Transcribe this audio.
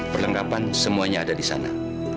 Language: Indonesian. perlengkapan semuanya ada di sana